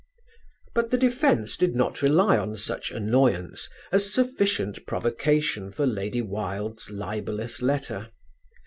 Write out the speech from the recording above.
But the defence did not rely on such annoyance as sufficient provocation for Lady Wilde's libellous letter.